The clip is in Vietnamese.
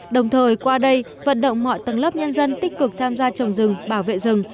đồng thời qua đây vận động mọi tầng lớp nhân dân tích cực tham gia trồng rừng bảo vệ rừng